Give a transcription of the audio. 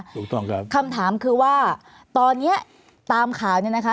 ถูกต้องครับคำถามคือว่าตอนนี้ตามข่าวเนี่ยนะคะ